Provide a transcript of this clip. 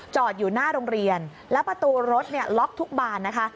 จอดอยู่หน้าโรงเรียนแล้วประตูรถเนี่ยล็อกทุกบานนะคะ